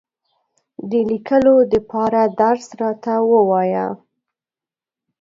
د لیکلو دپاره درس راته ووایه !